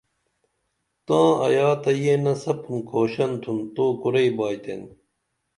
تاں ایا تہ یینا سپُن کھوشن تُھن تو کُرائی بائتین